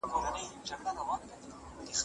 د فلسفې مفاهیم باید د نورو علومو په بنسټ تعبیروي.